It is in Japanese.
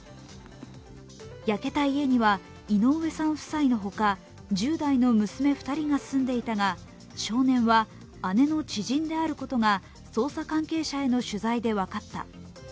焼けた家には井上さん夫妻のほか、１０代の娘２人が住んでいたが、少年は姉の知人であることが捜査関係者への取材で分かった。